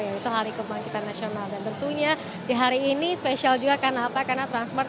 yaitu hari kebangkitan nasional dan tentunya di hari ini spesial juga karena apa karena transmart